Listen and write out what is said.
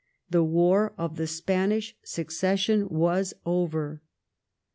The War of the Spanish Succession was over.